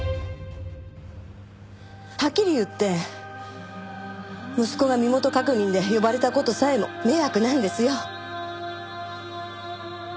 はっきり言って息子が身元確認で呼ばれた事さえも迷惑なんですよ。